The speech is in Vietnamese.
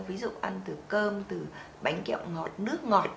ví dụ ăn từ cơm từ bánh kẹo ngọt nước ngọt